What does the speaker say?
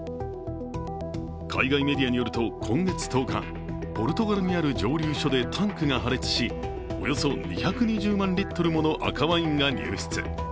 海外メディアによると、今月１０日、ポルトガルにある蒸留所でタンクが破裂しおよそ２２０万リットルもの赤ワインが流出。